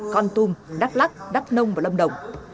con tum đắk lắk đắk nông và lâm đồng